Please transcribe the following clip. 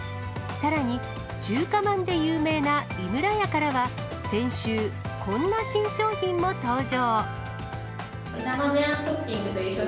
さらに、中華まんで有名な井村屋からは、先週、こんな新商品も登場。